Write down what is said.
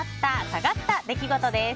下がった出来事です。